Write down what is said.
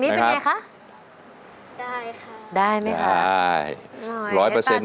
เมื่อก่อนเราก็จะพลังเอามาเพลงที่วิทยาศาสตร์